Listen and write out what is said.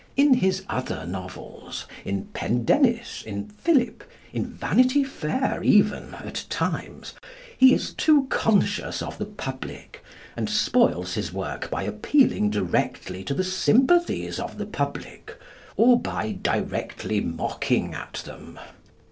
In his other novels, in 'Pendennis,' in 'Philip,' in 'Vanity Fair' even, at times, he is too conscious of the public, and spoils his work by appealing directly to the sympathies of the public, or by directly mocking at them.